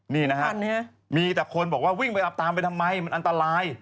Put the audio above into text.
นี่นะฮะมีแต่คนบอกว่าวิ่งไปอับตามไปทำไมมันอันตราย